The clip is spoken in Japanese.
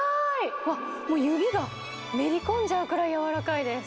うわっ、もう指がめり込んじゃうくらい柔らかいです。